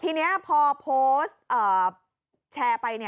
ทีนี้พอโพสต์แชร์ไป